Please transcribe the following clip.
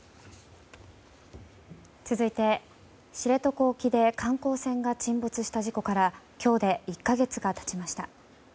続いて、知床沖で観光船が沈没した事故から今日で１か月が経ちました。